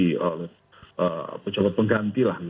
kalau pejabat pengganti lah